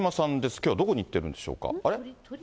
きょうはどこに行ってるんでしょうか。